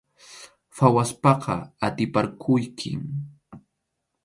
Phawaspaqa atiparquykim.